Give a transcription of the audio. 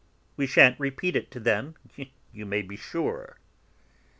We shan't repeat it to them, you may be sure."